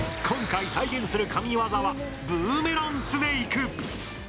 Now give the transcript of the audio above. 今回、再現する神ワザはブーメランスネイク。